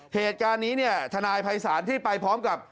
เหตุการณ์นี้เนี่ยทนายภัยศาลที่ไปพร้อมกับ